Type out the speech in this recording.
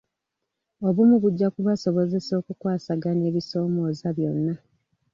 Obumu bujja kubasobozesa okukwasaganya ebisoomoza byonna.